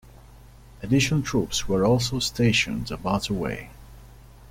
Additional troops were also stationed about away.